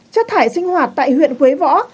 chất thải sinh hoạt tại huyện quế võ